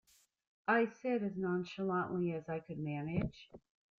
I said, as nonchalantly as I could manage.